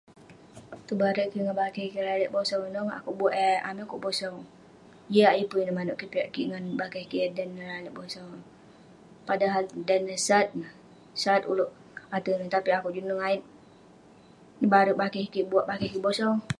Tebare kik ngan bakeh kik lalek bosau ineh, akouk buak eh amai kok bosau. Jiak yeng pun inouk manouk. Keh piak kik ngan bakeh kik eh dan neh lalek bosau. Padahal dan neh sat neh, sat ulouk ater ineh. Tapik akouk juk nengayet nebare bakeh kik buak bakeh kik bosau.